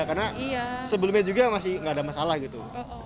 karena sebelumnya juga masih nggak ada masalah gitu